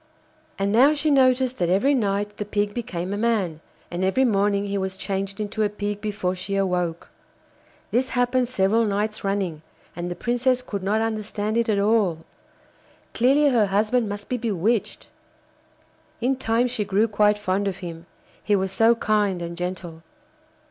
And now she noticed that every night the Pig became a man, and every morning he was changed into a Pig before she awoke. This happened several nights running, and the Princess could not understand it at all. Clearly her husband must be bewitched. In time she grew quite fond of him, he was so kind and gentle.